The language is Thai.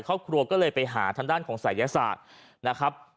ครอบครัวก็เลยไปหาทางด้านของศัยศาสตร์นะครับ